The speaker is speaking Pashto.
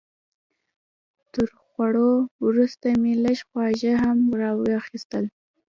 تر خوړو وروسته مې لږ خواږه هم راواخیستل.